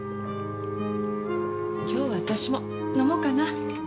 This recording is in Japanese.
今日は私も飲もうかな。